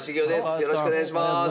よろしくお願いします。